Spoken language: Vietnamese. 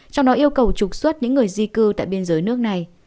trong đó yêu cầu trục xuất những người di cư tại biên giới nước này